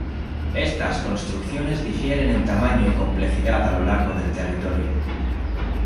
Estas construcciones difieren en tamaño y complejidad a lo largo del territorio.